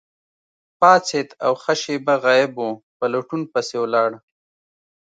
پاڅید او ښه شیبه غایب وو، په لټون پسې ولاړ.